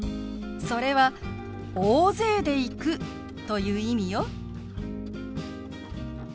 それは「大勢で行く」という意味よ。